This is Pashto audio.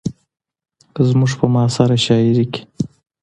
زموږ په معاصره شاعرۍ کې